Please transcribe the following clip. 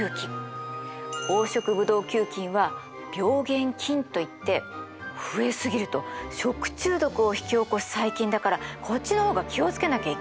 黄色ブドウ球菌は病原菌といって増え過ぎると食中毒を引き起こす細菌だからこっちの方が気を付けなきゃいけないの。